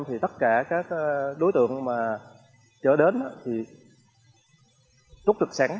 thì tất cả các đối tượng chở đến thì trút được sẵn